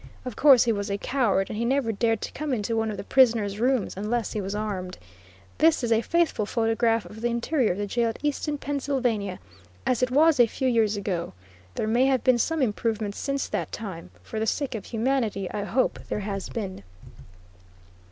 Of course he was a coward, and he never dared to come into one of the prisoner's rooms unless he was armed. This is a faithful photograph of the interior of the jail at Easton, Penn., as it was a few years ago; there may have been some improvement since that time; for the sake of humanity, I hope there has been.